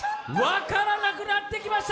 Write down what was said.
分からなくなってきました